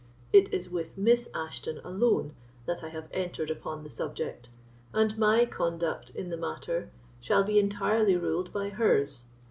It is with Miss Ashton alone that I have entered upon the subject, and my conduct in the matter shall be entirely ruled by hers.